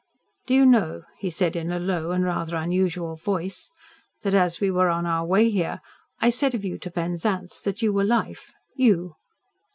"Do you know," he said, in a low and rather unusual voice, "that as we were on our way here, I said of you to Penzance, that you were Life YOU!"